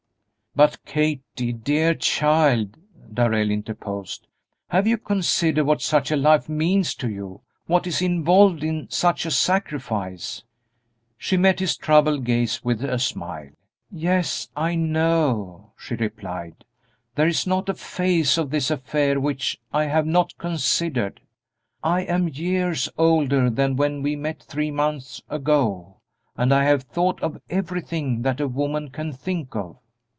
"But, Kathie, dear child," Darrell interposed, "have you considered what such a life means to you what is involved in such a sacrifice?" She met his troubled gaze with a smile. "Yes, I know," she replied; "there is not a phase of this affair which I have not considered. I am years older than when we met three months ago, and I have thought of everything that a woman can think of."